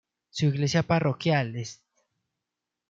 Su iglesia parroquial, St.